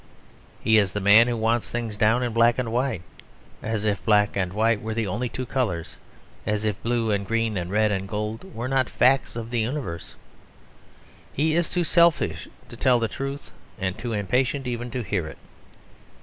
He is the man who wants things down in black and white, as if black and white were the only two colours; as if blue and green and red and gold were not facts of the universe. He is too selfish to tell the truth and too impatient even to hear it.